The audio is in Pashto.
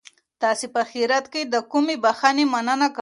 تاسي په اخیرت کي د کومې بښنې مننه کوئ؟